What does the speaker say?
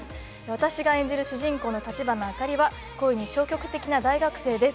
私が演じる主人公の立花あかりは恋に消極的な大学生です